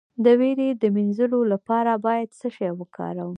د ویرې د مینځلو لپاره باید څه شی وکاروم؟